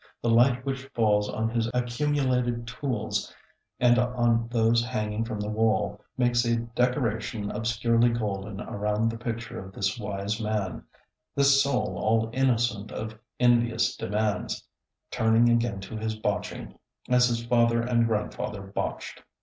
The light which falls on his accumulated tools and on those hanging from the wall makes a decoration obscurely golden around the picture of this wise man; this soul all innocent of envious demands, turning again to his botching, as his father and grandfather botched.